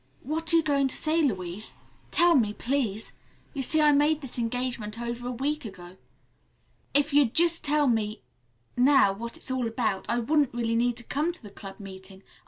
"What are you going to say, Louise? Tell me, please. You see I made this engagement over a week ago. If you'd just tell me now what it's all about, I wouldn't really need to come to the club meeting.